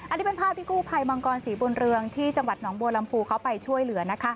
อันนี้เป็นภาพที่กู้ภัยมังกรศรีบุญเรืองที่จังหวัดหนองบัวลำพูเขาไปช่วยเหลือนะคะ